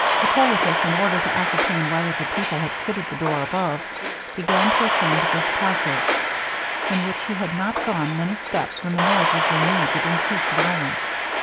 Hippolitus, in order to ascertain whether the people had quitted the door above, began to ascend the passage, in which he had not gone many steps when the noise was renewed with increased violence.